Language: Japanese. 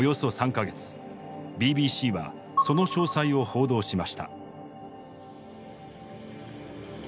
ＢＢＣはその詳細を報道しました。